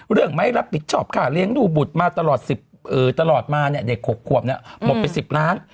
ไม่รับผิดชอบค่าเลี้ยงดูบุตรมาตลอดมาเนี่ยเด็ก๖ขวบเนี่ยหมดไป๑๐ล้าน